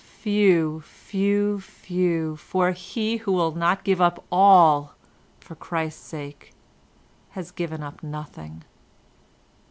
Few, few, few, for he who will not give up ALL for Christ's sake, has given up nothing.